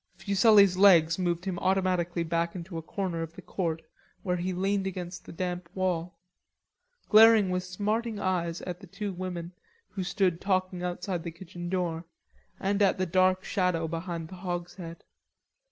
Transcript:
Fuselli's legs moved him automatically back into a corner of the court, where he leaned against the damp wall; glaring with smarting eyes at the two women who stood talking outside the kitchen door, and at the dark shadow behind the hogshead.